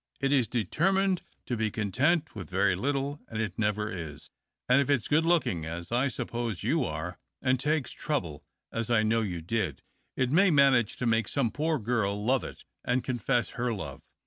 It is determined to be content with very little, and it never is. And if it's good looking (as I suppose you are) and takes trouble (as I know you did), it may manage to make some poor girl love it and confess her love.